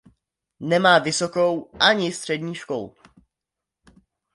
Nemá vysokou ani střední školu.